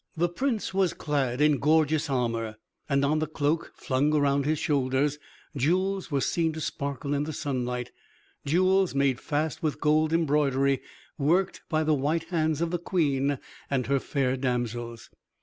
The Prince was clad in gorgeous armor, and on the cloak flung around his shoulders jewels were seen to sparkle in the sunlight, jewels made fast with gold embroidery worked by the white hands of the Queen and her fair damsels.